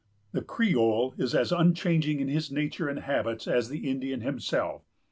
The Creole is as unchanging in his nature and habits as the Indian himself.